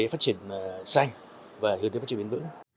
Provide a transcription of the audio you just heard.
phát triển xanh và hướng đến phát triển bình vững